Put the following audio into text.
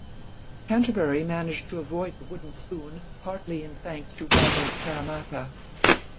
Canterbury managed to avoid the wooden spoon partly in thanks to rivals Parramatta.